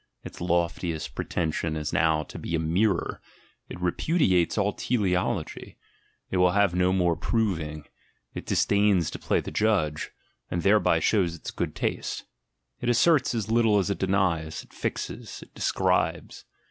Its loftiest pretension is now to be mirror; it repudiates all teleology; it will have no more proving"; it disdains to play the judge, and thereby lows its good taste — it asserts as little as it denies, it xes, it "describes."